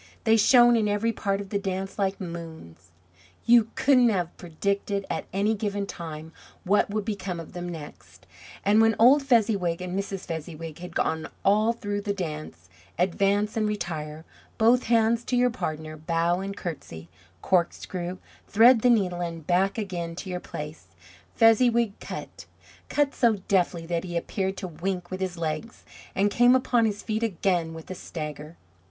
They shone in every part of the dance like moons. You couldn't have predicted at any given time what would become of them next. And when old Fezziwig and Mrs. Fezziwig had gone all through the dance, advance and retire; both hands to your partner, bow and courtesy, corkscrew, thread the needle, and back again to your place; Fezziwig "cut" cut so deftly that he appeared to wink with his legs, and came upon his feet again with a stagger.